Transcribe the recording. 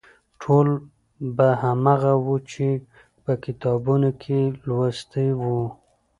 ټول به هماغه و چې په کتابونو کې یې لوستي وو.